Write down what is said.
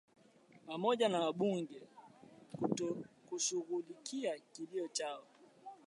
pamoja na wabunge kushughulikia kilio chao